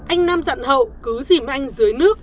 anh nam dặn hậu cứ dìm anh dưới nước